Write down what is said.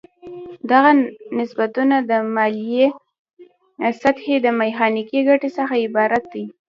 دغه نسبتونه د مایلې سطحې د میخانیکي ګټې څخه عبارت دي.